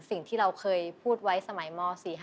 สิ่งที่เราเคยพูดไว้สมัยม๔๕